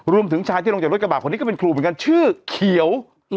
รวมถึงชายที่ลงจากรถกระบาดคนนี้ก็เป็นครูเหมือนกันชื่อเขียว